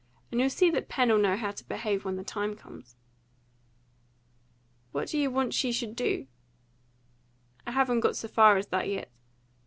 And you'll see that Pen'll know how to behave when the time comes." "What do you want she should do?" "I haven't got so far as that yet.